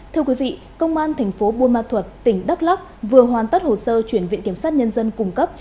thưa quý vị công an tp buôn ma thuật tỉnh đắk lắk vừa hoàn tất hồ sơ chuyển viện kiểm soát nhân dân cung cấp